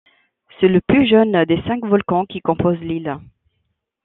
C'est le plus jeune des cinq volcans qui composent l'île.